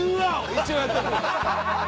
一応やっとくわ。